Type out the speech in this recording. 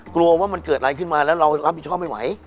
กลัวว่ามันเกิดอะไรขึ้นมาแล้วเรารับผิดชอบไม่ไหว